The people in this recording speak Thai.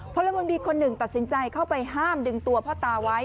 พลเมืองดีคนหนึ่งตัดสินใจเข้าไปห้ามดึงตัวพ่อตาไว้